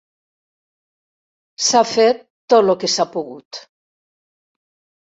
S'ha fet tot lo que s'ha pogut